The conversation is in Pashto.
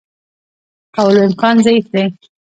کولو امکان ضعیف دی.